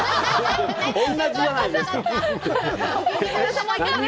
同じじゃないですか！